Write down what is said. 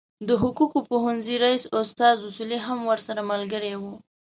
د حقوقو پوهنځي رئیس استاد اصولي هم ورسره ملګری و.